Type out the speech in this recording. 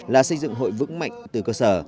là xây dựng hội vững mạnh từ cơ sở